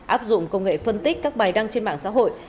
áp dụng công nghệ phân tích các bài đăng trên mạng xã hội